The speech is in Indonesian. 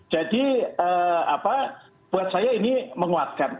buat saya ini menguatkan